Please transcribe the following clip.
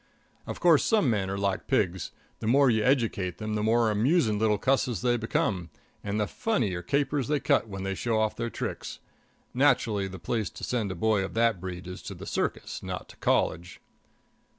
Of course, some men are like pigs, the more you educate them, the more amusing little cusses they become, and the funnier capers they cut when they show off their tricks. Naturally, the place to send a boy of that breed is to the circus, not to college.